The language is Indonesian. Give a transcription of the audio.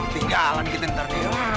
tinggalan kita ntar ya